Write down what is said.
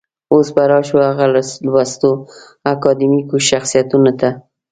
اوس به راشو هغه لوستو اکاډمیکو شخصيتونو ته.